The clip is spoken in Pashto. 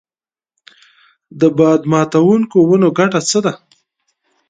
د باد ماتوونکو ونو ګټه څه ده؟